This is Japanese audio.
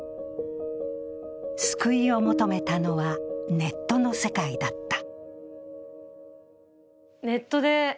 救いを求めたのはネットの世界だった。